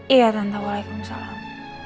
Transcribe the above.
iya tante waalaikumsalam